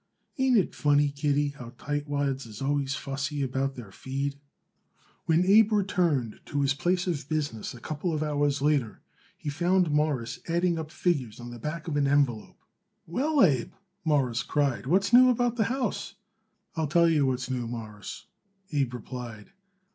"Ain't it funny, Kitty, how tightwads is always fussy about their feed?" When Abe returned to his place of business a couple of hours later, he found Morris adding up figures on the back of an envelope. "Well, Abe," Morris cried, "what's new about the house?" "I'll tell you what's new, Mawruss," Abe replied.